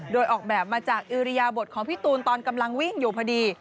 โดยออกแบบมาจากอิริยาบทของพี่ตูนตอนกำลังวิ่งอยู่พอดี